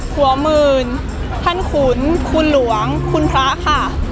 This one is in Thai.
หัวหมื่นท่านขุนคุณหลวงคุณพระค่ะ